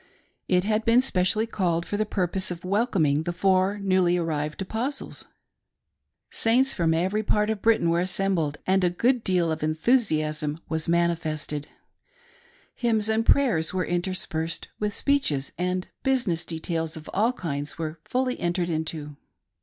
It had been specially called for the purpose of welcoming the four newly arrived Apostles. Saints from every part of Britain were assembled, and a good deal 'of enthusiasm was mani fested. Hymns and prayers were interspersed with speeches, and business details of all kinds were fully entered into.